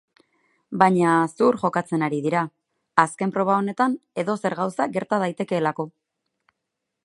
Baina zuhur jokatzen ari dira, azken proba honetan edozer gauza gerta daitekeelako.